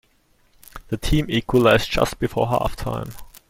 The team equalized just before half-time.